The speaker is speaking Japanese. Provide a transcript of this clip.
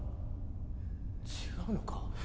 違うのか？